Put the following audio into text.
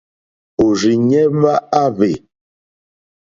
Òrzìɲɛ́ hwá áhwè.